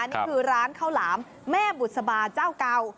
นี่คือร้านข้าวหลามแม่บุษบาเจ้าเก่า